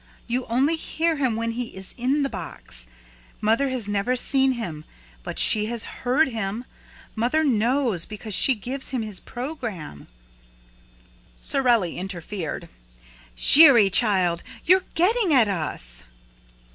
You only hear him when he is in the box. Mother has never seen him, but she has heard him. Mother knows, because she gives him his program." Sorelli interfered. "Giry, child, you're getting at us!"